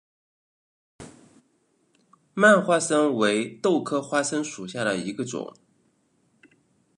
蔓花生为豆科花生属下的一个种。